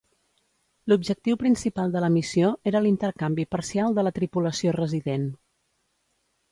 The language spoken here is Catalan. L'objectiu principal de la missió era l'intercanvi parcial de la tripulació resident.